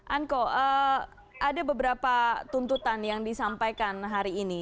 anko ada beberapa tuntutan yang disampaikan hari ini